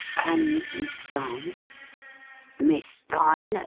And Miss Vine?' ' Miss Vine ?